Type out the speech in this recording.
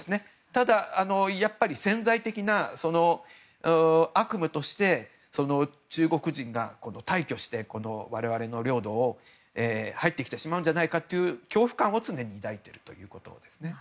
ただ、潜在的な悪夢として中国人が大挙して我々の領土に入ってきてしまうんじゃないかという恐怖感を常に抱いているというところです。